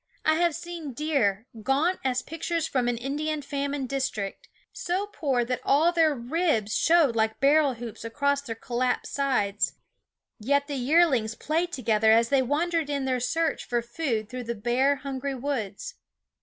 I have seen deer, gaunt as pictures from an Indian famine district, so poor that all their ribs showed like barrel hoops across their col lapsed sides ; yet the yearlings played to gether as they wandered in their search for food through the bare, hungry woods.